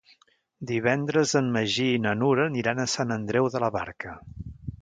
Divendres en Magí i na Nura aniran a Sant Andreu de la Barca.